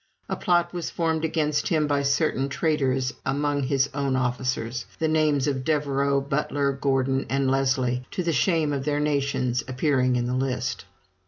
A plot was formed against him by certain traitors among his own officers, the names of Devereaux, Butler, Gordon, and Leslie, to the shame of their nations, appearing in the list.